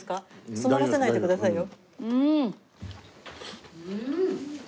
詰まらせないでくださいよ。